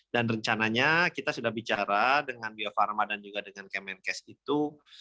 dan rencananya kita sudah bicara dengan bio farma dan juga dengan kemenkes itu